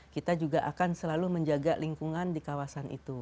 kita juga akan selalu menjaga lingkungan di kawasan itu